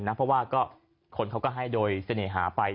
เพราะว่าคนเขาก็ให้โดยเสน่หาไป